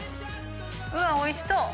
うわっおいしそう！